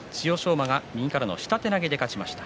馬が右からの下手投げで勝ちました。